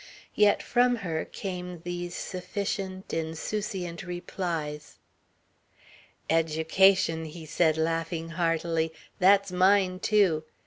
Yet from her came these sufficient, insouciant replies. "Education," he said laughing heartily. "That's mine, too."